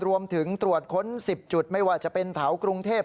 รวมถึงตรวจค้น๑๐จุดไม่ว่าจะเป็นแถวกรุงเทพ